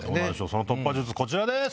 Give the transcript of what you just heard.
その突破術こちらです！